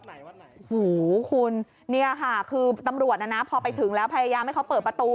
โอ้โหคุณนี่ค่ะคือตำรวจนะนะพอไปถึงแล้วพยายามให้เขาเปิดประตู